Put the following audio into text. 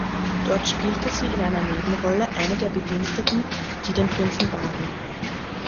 Dort spielte sie in einer Nebenrolle eine der Bediensteten, die den Prinzen baden.